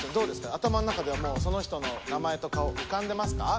頭の中ではもうその人の名前と顔浮かんでますか？